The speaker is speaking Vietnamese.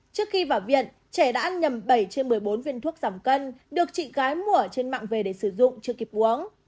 trước khi vào viện trẻ đã nhầm bảy trên một mươi bốn viên thuốc giảm cân được chị gái mua trên mạng về để sử dụng chưa kịp uống